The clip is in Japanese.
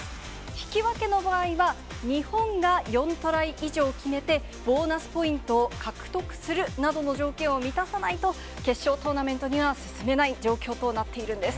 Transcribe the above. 引き分けの場合は、日本が４トライ以上決めて、ボーナスポイントを獲得するなどの条件を満たさないと、決勝トーナメントには進めない状況となっているんです。